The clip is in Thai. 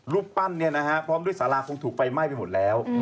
รูปปั้นพร้อมด้วยสาราคงถูกไฟไหม้ไปหมดแล้ว